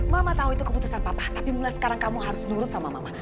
mama tahu itu keputusan papa tapi mulai sekarang kamu harus nurut sama mama